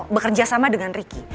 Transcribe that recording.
bekerja sama dengan ricky